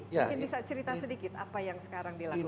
mungkin bisa cerita sedikit apa yang sekarang dilakukan